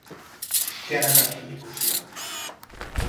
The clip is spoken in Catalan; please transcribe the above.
Què ha negat avui Rússia?